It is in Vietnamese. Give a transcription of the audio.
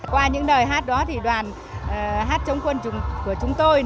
qua những nời hát đó đoàn hát chống quân của chúng tôi